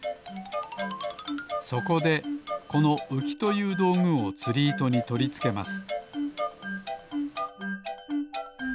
そこでこのうきというどうぐをつりいとにとりつけます